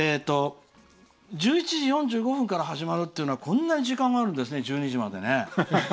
１１時４５分から始まるのはこんなに時間があるんですね１２時までね。